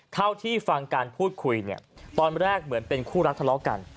เท่าที่ฟังการพูดคุยเนี่ยตอนแรกเหมือนเป็นคู่รักทะเลาะกัน